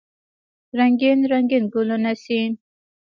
رنګین، رنګین ګلونه سي